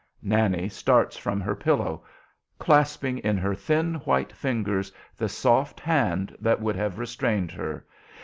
Nannie starts from her pillow, clasping in her thin white fingers the soft hand that would have restrained her.